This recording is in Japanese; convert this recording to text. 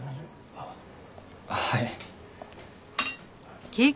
ああはい。